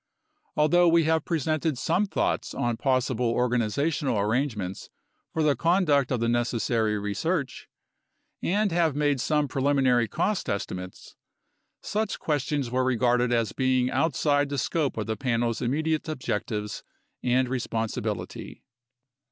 Although we have presented some thoughts on possible organizational arrangements for the conduct of the necessary research, and have made some preliminary cost estimates, such questions were regarded as being outside the scope of the Panel's im mediate objectives and responsibility.